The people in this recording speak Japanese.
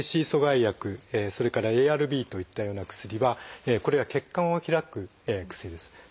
「ＡＣＥ阻害薬」それから「ＡＲＢ」といったような薬はこれは血管を開く薬です。